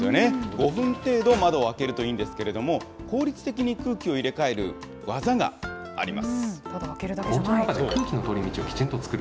５分程度窓を開けるといいんですけれども、効率的に空気を入れ替える技があります。